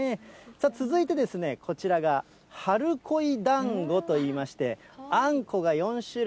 続いて、こちらが春恋だんごといいまして、あんこが４種類。